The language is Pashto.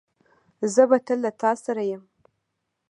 زه به تل له تاسره یم